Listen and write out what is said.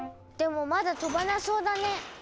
でもまだ飛ばなそうだね。